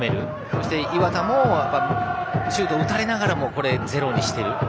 そして、磐田もシュートを打たれながらもゼロにしている。